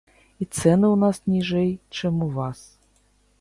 І цэны ў нас ніжэй, чым у вас.